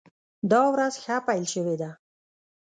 دا ورځ ښه پیل شوې ده.